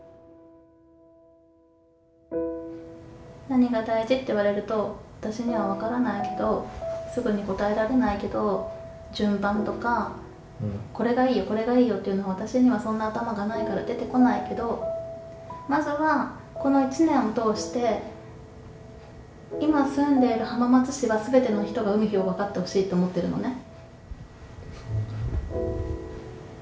何が大事って言われると、私には分からないけど、すぐに答えられないけど、順番とか、これがいいよ、これがいいよっていうのは、私にはそんな頭がないから出てこないけど、まずはこの１年を通して、今住んでいる浜松市はすべての人が海陽を分かってほしいと思ってそうだね。